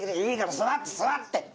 いいから座って。